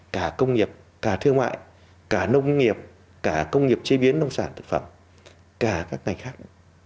cả công nghiệp cả thương mại cả nông nghiệp cả công nghiệp chế biến nông sản thực phẩm cả các ngành khác